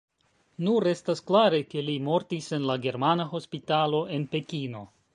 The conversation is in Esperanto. Nur estas klare, ke li mortis en la Germana Hospitalo en Pekino.